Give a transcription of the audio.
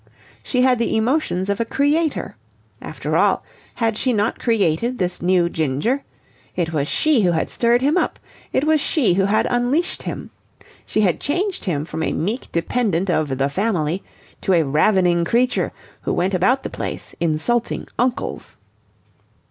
She had the emotions of a creator. After all, had she not created this new Ginger? It was she who had stirred him up. It was she who had unleashed him. She had changed him from a meek dependent of the Family to a ravening creature, who went about the place insulting uncles.